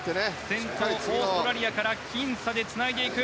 先頭オーストラリアからきん差でつないでいく。